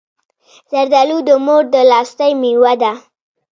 زردالو د مور د لاستی مېوه ده.